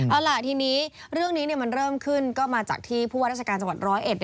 เอาล่ะทีนี้เรื่องนี้มันเริ่มขึ้นก็มาจากที่ผู้ว่าราชการจังหวัดร้อยเอ็ด